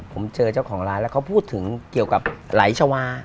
ผมเจอเจ้าของร้านแล้วเขาพูดถึงเกี่ยวกับไหลชาวา